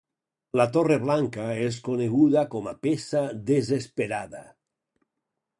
La torre blanca és coneguda com a peça desesperada.